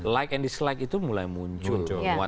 like and dislike itu mulai muncul